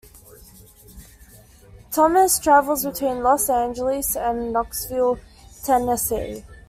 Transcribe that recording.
Thomas travels between Los Angeles and Knoxville, Tennessee.